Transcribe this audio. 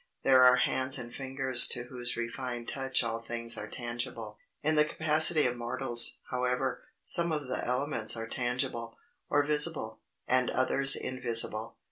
There are hands and fingers to whose refined touch all things are tangible. In the capacity of mortals, however, some of the elements are tangible, or visible, and others invisible.